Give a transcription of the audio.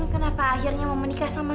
kenapa akhirnya mau menikah sama sakti sih